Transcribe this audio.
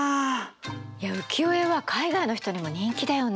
いや浮世絵は海外の人にも人気だよね。